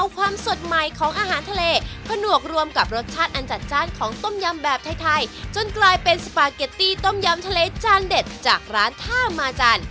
กลายเป็นสปาเก็ตตี้ต้มยำทะเลจานเด็ดจากร้านท่ามาจัน